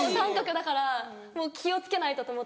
だからもう気を付けないとと思って。